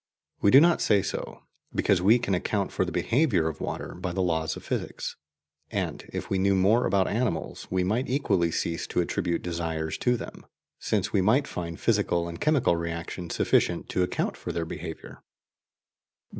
We do not say so, because we can account for the behaviour of water by the laws of physics; and if we knew more about animals, we might equally cease to attribute desires to them, since we might find physical and chemical reactions sufficient to account for their behaviour.